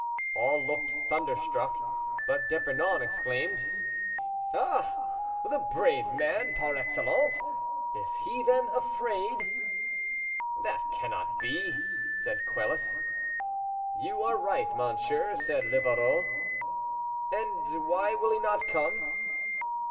All looked thunderstruck; but D'Epernon exclaimed: "Ah! the brave man par excellence is he, then, afraid?" "That cannot be," said Quelus. "You are right, monsieur," said Livarot. "And why will he not come?"